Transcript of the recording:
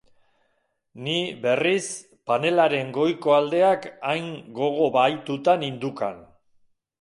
Ni, berriz, panelaren goiko aldeak hain gogo-bahituta nindukan.